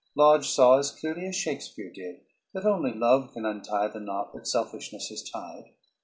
Lodge saw as clearly as Shakespeare did that only love can untie the knot that selfishness has tied.